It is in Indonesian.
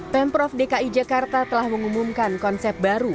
pemprov dki jakarta telah mengumumkan konsep baru